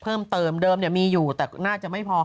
เพิ่มเติมเดิมมีอยู่แต่น่าจะไม่พอ